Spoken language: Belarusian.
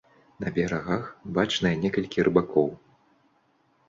На берагах бачныя некалькі рыбакоў.